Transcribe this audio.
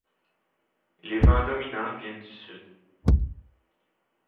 Les vents dominants viennent du sud.